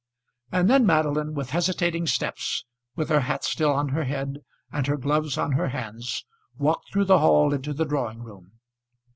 And then Madeline, with hesitating steps, with her hat still on her head, and her gloves on her hands, walked through the hall into the drawing room.